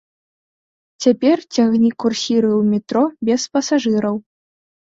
Цяпер цягнік курсіруе ў метро без пасажыраў.